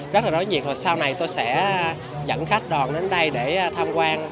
rất là đáo nhiệt và sau này tôi sẽ dẫn khách đòn đến đây để tham quan